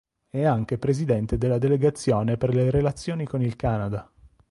È anche presidente della delegazione per le relazioni con il Canada.